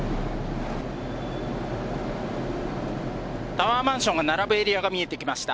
タワーマンションが並ぶエリアが見えてきました。